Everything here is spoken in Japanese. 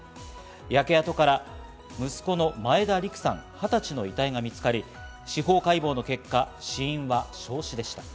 焼け跡から息子の前田陸さん、２０歳の遺体が見つかり、司法解剖の結果、死因は焼死でした。